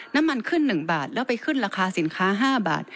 น้ำมันขึ้น๑บาทแล้วไปขึ้นราคาสินค้า๕บาท